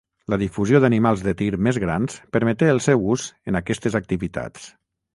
La difusió d'animals de tir més grans permeté el seu ús en aquestes activitats.